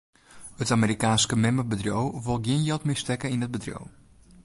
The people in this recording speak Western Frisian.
It Amerikaanske memmebedriuw wol gjin jild mear stekke yn it bedriuw.